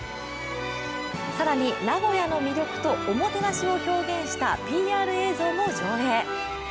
更に名古屋の魅力とおもてなしを表現したＰＲ動画も上映。